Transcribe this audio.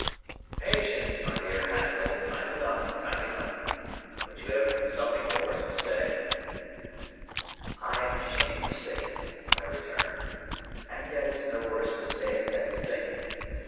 "Patience, my dear Handel: time enough, time enough. But you have something more to say?" "I am ashamed to say it," I returned, "and yet it's no worse to say it than to think it.